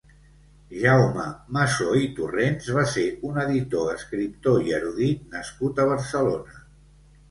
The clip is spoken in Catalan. Jaume Massó i Torrents va ser un editor, escriptor i erudit nascut a Barcelona.